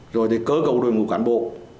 rồi thì cơ cầu đội ngũ cán bộ